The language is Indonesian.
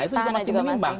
itu juga masih menimbang